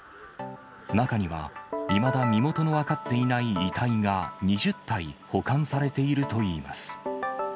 中には、いまだ身元の分かっていない遺体が２０体保管されているといいます。